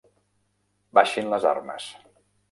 Baixin les armes.